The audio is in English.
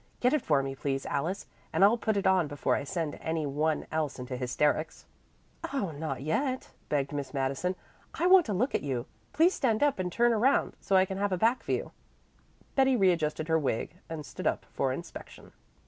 Get it for me please, Alice, and I'll put it on before I send any one else into hysterics." "Oh, not yet," begged Miss Madison. "I want to look at you. Please stand up and turn around, so I can have a back view." Betty readjusted her wig and stood up for inspection.